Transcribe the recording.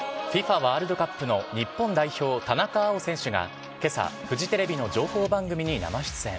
ワールドカップの日本代表、田中碧選手がけさ、フジテレビの情報番組に生出演。